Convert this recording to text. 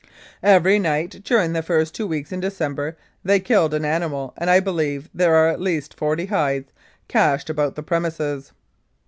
Every night during the first two weeks in December they killed an animal, and I believe there are at least forty hides cached about the premises.'